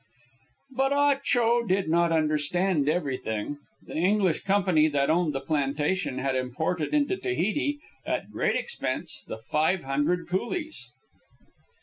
But Ah Cho did not understand everything. The English Company that owned the plantation had imported into Tahiti, at great expense, the five hundred coolies.